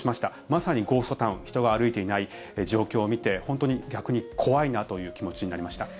まさに、ゴーストタウン人が歩いていない状況を見て本当に逆に怖いなという気持ちになりました。